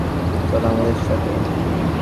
চলো আমাদের সাথে!